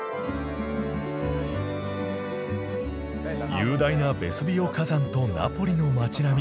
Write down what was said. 雄大なベスビオ火山とナポリの街並み